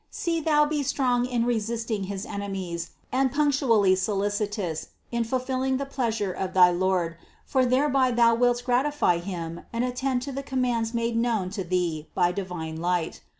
See thou be strong in resisting his ene mies and punctually solicitous in fulfilling the pleasure of thy Lord, for thereby thou wilt gratify Him and at tend to the commands made known to thee by divine light.